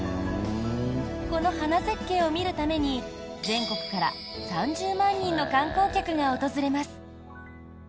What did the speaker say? この花絶景を見るために全国から３０万人の観光客が訪れます。